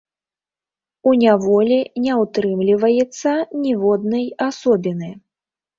У няволі не ўтрымліваецца ніводнай асобіны.